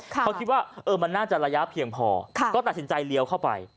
เขาคิดว่ามันน่าจะระยะเพียงพอก็ตัดสินใจเลี้ยวเข้าไป